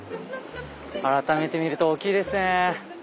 改めて見ると大きいですね。